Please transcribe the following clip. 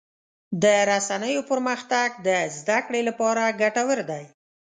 د رسنیو پرمختګ د زدهکړې لپاره ګټور دی.